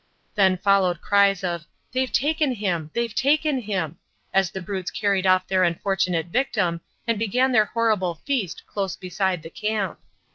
Then followed cries of "They've taken him; they've taken him," as the brutes carried off their unfortunate victim and began their horrible feast close beside the camp.